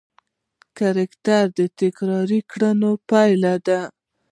کرکټر د تکراري کړنو پایله ده.